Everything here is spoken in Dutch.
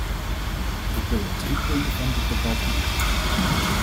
Ik wil op drie punten van dat debat ingaan.